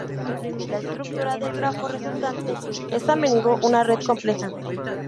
La estructura del grafo resultante es a menudo una red compleja.